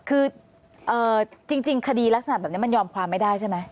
คือจริงคดีลักษณะแบบนี้มันยอมความไม่ได้ใช่ไหม